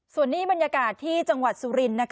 ส่วนนี้บรรยากาศที่จังหวัดสุรินทร์